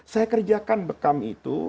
saya kerjakan bekam itu